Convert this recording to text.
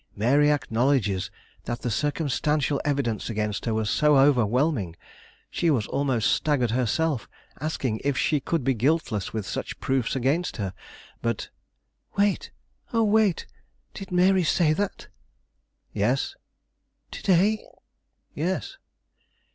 "Mary acknowledges that the circumstantial evidence against her was so overwhelming, she was almost staggered herself, asking if she could be guiltless with such proofs against her. But " "Wait, oh, wait; did Mary say that?" "Yes." "To day?" "Yes."